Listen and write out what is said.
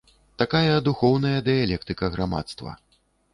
Такая духоўная дыялектыка грамадства.